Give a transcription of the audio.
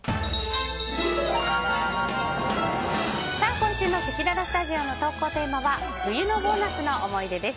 今週のせきららスタジオの投稿テーマは冬のボーナスの思い出です。